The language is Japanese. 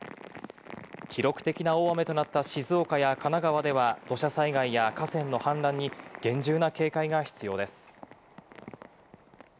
記録的な大雨となった静岡や神奈川では、土砂災害や河川の氾濫に厳重な警戒が必要です。